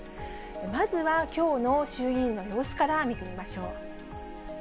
まずはきょうの衆議院の様子から見てみましょう。